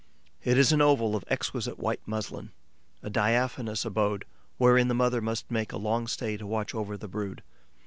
It is an oval of exquisite white muslin, a diaphanous abode wherein the mother must make a long stay to watch over the brood.